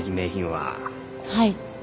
はい。